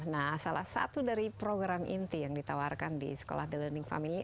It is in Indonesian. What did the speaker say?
nah salah satu dari program inti yang ditawarkan di sekolah the learning famil ini